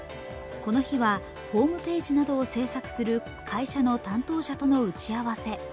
この日はホームページなどを制作する会社の担当者との打ち合わせ。